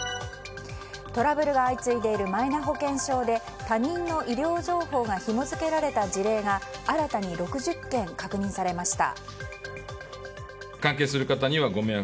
トラブルが相次いでいるマイナ保険証で他人の医療情報がひも付けられた事例が新たに６０件確認されました。